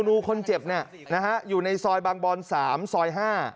ครูคนเจ็บอยู่ในซอยบางบอน๓ซอย๕